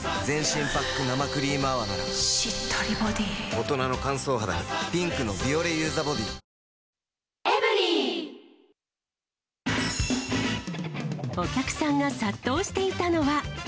大人の乾燥肌にピンクの「ビオレｕＴｈｅＢｏｄｙ」お客さんが殺到していたのは。